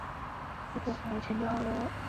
母陆氏。